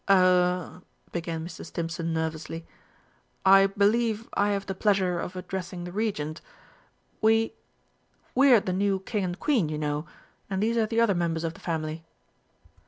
"Er " began Mr. Stimpson nervously, "I believe I have the pleasure of addressing the Regent. We we're the new King and Queen, you know, and these are the other members of the family."